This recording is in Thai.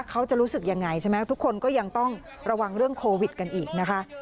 เขาจะรู้สึกยังไงใช่ไหมทุกคนก็ยังต้องระวังเรื่องโควิดกันอีกนะคะ